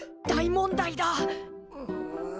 大問題だ。